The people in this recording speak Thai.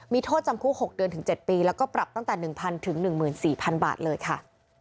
มีโทษจำคุก๖เดือนถึง๗ปีแล้วก็ปรับตั้งแต่๑๐๐๑๔๐๐บาทเลยค่ะ